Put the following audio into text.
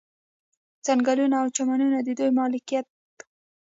ځنګلونه او چمنونه د دوی ملکیت وو.